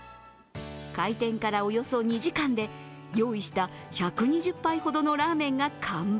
開店からおよそ２時間で用意した１２０杯ほどのラーメンが完売。